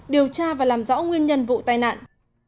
điều tra và làm rõ nguyên nhân vụ tai nạn